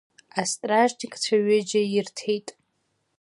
Астражникцәа ҩыџьа ирҭеит.